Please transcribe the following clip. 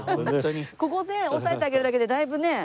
ここをね押さえてあげるだけでだいぶね